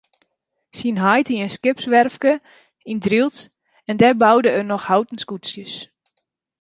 Syn heit hie in skipswerfke yn Drylts en dêr boude er noch houten skûtsjes.